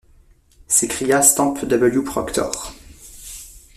s’écria Stamp W. Proctor.